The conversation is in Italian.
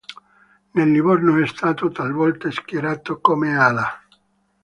Nel Livorno è stato talvolta schierato come ala.